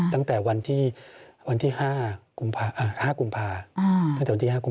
ตั้งแต่วันที่๕กุมภาคม